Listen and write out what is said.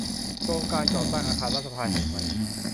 โครงการก่อสร้างอาคารรัฐสภาแห่งใหม่